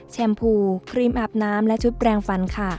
แชมพูครีมอาบน้ำและชุดแปลงฟันค่ะ